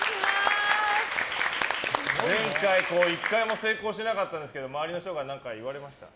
前回１回も成功してなかったですけど周りの人から何か言われました？